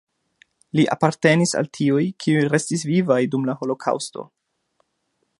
Li apartenis al tiuj, kiuj restis vivaj dum la holokaŭsto.